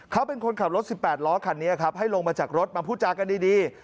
เขาเป็นคนขับรถ๑๘ล้อคันนี้ครับให้ลงมาจากรถมาพูดจากันดี